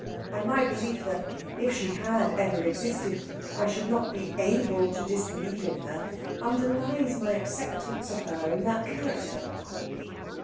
And my belief that, if she had ever existed, I should not be able to disbelieve in her, underlies my acceptance of her in that character."